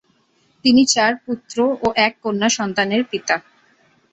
তিনি চার পুত্র ও এক কন্যা সন্তানের পিতা।